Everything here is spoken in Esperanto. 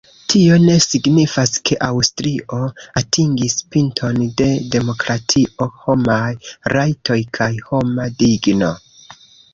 Tio ne signifas, ke Aŭstrio atingis pinton de demokratio, homaj rajtoj kaj homa digno.